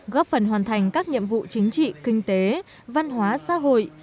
góp phần hoàn thành các nhiệm vụ chính trị kinh tế văn hóa xã hội